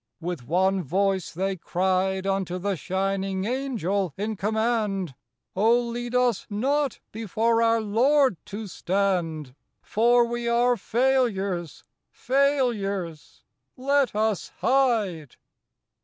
With one voice they cried Unto the shining Angel in command: 'Oh, lead us not before our Lord to stand, For we are failures, failures! Let us hide.